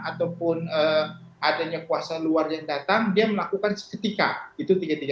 ataupun adanya kuasa luar yang datang dia melakukan seketika itu tiga ratus tiga puluh